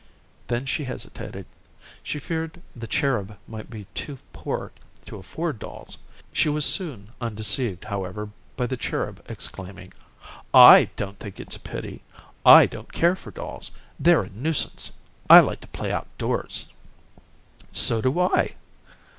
Then she hesitated. She feared the "Cherub" might be too poor to afford dolls. She was soon undeceived, however, by the "Cherub" exclaiming: "I don't think it a pity. I don't care for dolls; they're a nuisance. I like to play outdoors." "So do I."